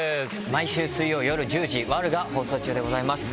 毎週水曜夜１０時『悪女』が放送中でございます。